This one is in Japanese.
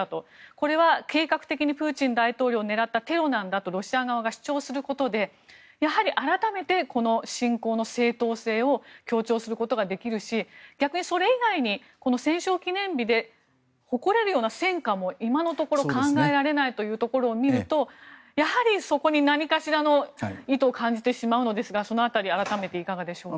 これは計画的にプーチン大統領を狙ったテロなんだとロシア側が主張することでやはり改めて、侵攻の正当性を強調することができるし逆にそれ以外に戦勝記念日で誇れるような戦果も今のところ、考えられないというところを見るとやはりそこに何かしらの意図を感じてしまうのですがその辺り改めていかがでしょうか。